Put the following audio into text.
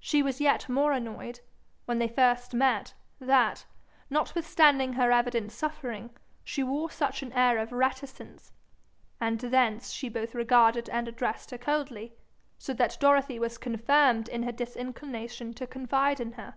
She was yet more annoyed, when they first met, that, notwithstanding her evident suffering, she wore such an air of reticence, and thence she both regarded and addressed her coldly; so that Dorothy was confirmed in her disinclination to confide in her.